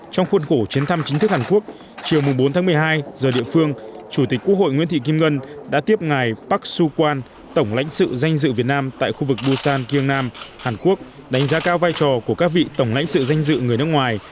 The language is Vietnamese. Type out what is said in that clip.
trong khuôn khổ chuyến thăm chính thức hàn quốc chiều bốn một mươi hai giờ địa phương chủ tịch quốc hội nguyễn thị kim ngân đã tiếp ngài park su quan tổng lãnh sự danh dự việt nam tại khu vực busan kiềng nam hàn quốc đánh giá cao vai trò của các vị tổng lãnh sự danh dự người nước ngoài